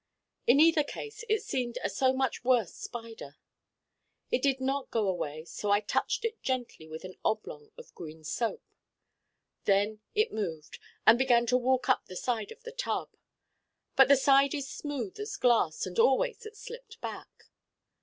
In either case it seemed a so much worse Spider. It did not go away so I touched it gently with an oblong of green soap. Then it moved and began to walk up the side of the tub. But the side is smooth as glass and always it slipped back.